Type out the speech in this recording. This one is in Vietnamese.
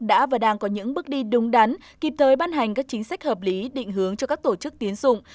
đã và đang có những bước đi đúng đắn kịp thời ban hành các chính sách hợp lý định hướng cho các tổ chức tiến dụng